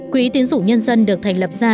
quỹ tiến dụng nhân dân được thành lập ra